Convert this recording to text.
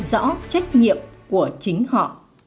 quy định rõ trách nhiệm của chính họ